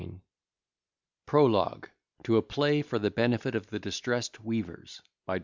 _] PROLOGUE TO A PLAY FOR THE BENEFIT OF THE DISTRESSED WEAVERS. BY DR.